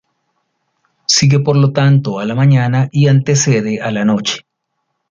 Sigue por lo tanto a la mañana y antecede a la noche.